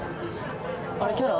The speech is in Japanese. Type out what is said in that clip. あれキャラ？